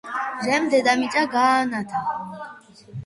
მზემ დედამიწა გაანათა.